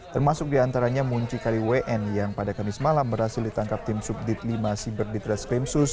termasuk diantaranya muncikari wn yang pada kamis malam berhasil ditangkap tim subdit lima siber ditreskrimsus